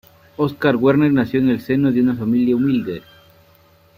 Oskar Werner nació en el seno de una familia humilde.